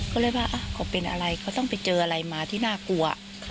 ก็เลยว่าเขาเป็นอะไรเขาต้องไปเจออะไรมาที่น่ากลัว